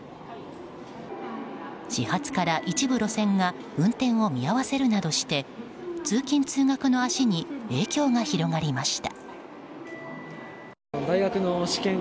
始発から一部路線が運転を見合わせるなどして通勤・通学の足に影響が広がりました。